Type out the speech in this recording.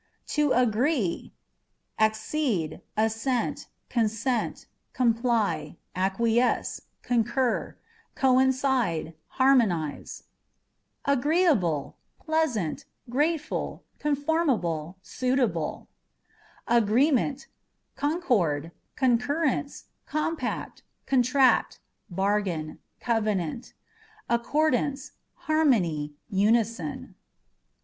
To Agree â€" accede, assent, consent, comply, acquiesce, concur, coincide, harmonise. Agreeable â€" pleasant ; grateful, conformable, suitable. Agreement â€" concord, concurrence, compact, contract, bar gain, covenant ; accordance, harmony, unison.